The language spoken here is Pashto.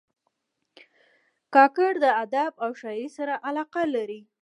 کاکړ د ادب او شاعرۍ سره علاقه لري.